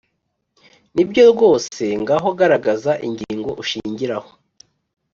ni byo rwose, ngaho garagaza ingingo ushingiraho.